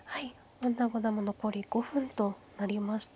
本田五段も残り５分となりました。